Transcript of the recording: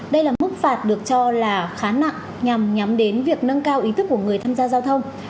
đây là mức phạt được cho là khá nặng nhằm nhắm đến việc nâng cao ý thức của người tham gia giao thông